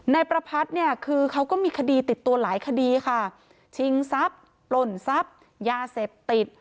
ประพัทธ์เนี่ยคือเขาก็มีคดีติดตัวหลายคดีค่ะชิงทรัพย์ปล่นทรัพย์ยาเสพติด